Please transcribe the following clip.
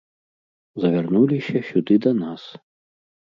Завярнуліся сюды да нас.